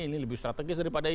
ini lebih strategis daripada